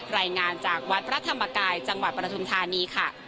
รายงานจากวัดพระธรรมกายจังหวัดปฐุมธานีค่ะ